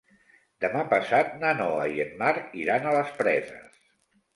Demà passat na Noa i en Marc iran a les Preses.